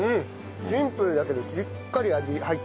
シンプルだけどしっかり味入ってる。